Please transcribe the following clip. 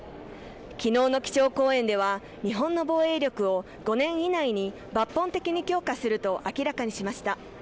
昨日の基調講演では、日本の防衛力を５年以内に抜本的に強化すると明らかにしました。